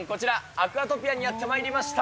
アクアトピアにやってまいりました。